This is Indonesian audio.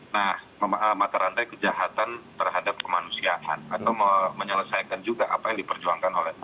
nah mata rantai kejahatan terhadap kemanusiaan atau menyelesaikan juga apa yang diperjuangkan oleh